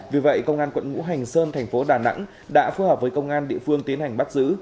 vì vậy công an quận ngũ hành sơn thành phố đà nẵng đã phối hợp với công an địa phương tiến hành bắt giữ